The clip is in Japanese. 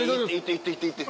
いっていっていって。